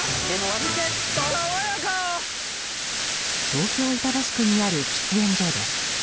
東京・板橋区にある喫煙所です。